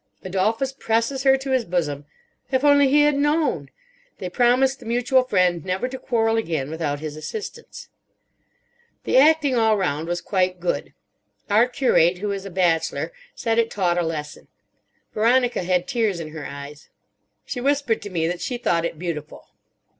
Adolphus presses her to his bosom. If only he had known! They promise the mutual friend never to quarrel again without his assistance. The acting all round was quite good. Our curate, who is a bachelor, said it taught a lesson. Veronica had tears in her eyes. She whispered to me that she thought it beautiful.